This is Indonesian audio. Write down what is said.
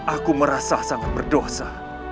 aku merasa sangat berdosa